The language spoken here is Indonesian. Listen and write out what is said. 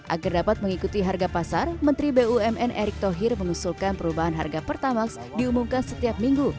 agar dapat mengikuti harga pasar menteri bumn erick thohir mengusulkan perubahan harga pertamax diumumkan setiap minggu